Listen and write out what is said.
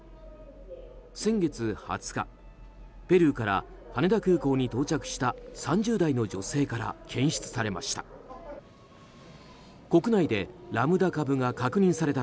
先月２０日、ペルーから羽田空港に到着した３０代の女性から検出されました。